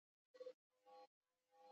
دوی د پلونو کارولو لپاره پیسې ورکولې.